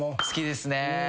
好きですね。